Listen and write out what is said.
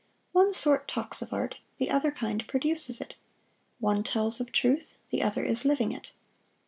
One sort talks of art, the other kind produces it. One tells of truth, the other is living it.